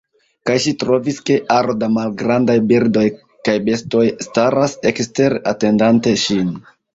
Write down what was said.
Kaj ŝi trovis, ke aro da malgrandaj birdoj kaj bestoj staras ekstere atendante ŝin.